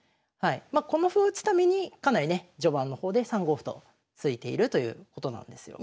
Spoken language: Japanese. まこの歩を打つためにかなりね序盤の方で３五歩と突いているということなんですよ。